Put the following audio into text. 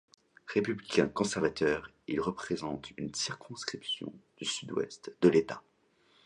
Républicain conservateur, il représente une circonscription du sud-ouest de l'État.